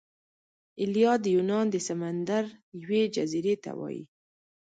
ایلیا د یونان د سمندر یوې جزیرې ته وايي.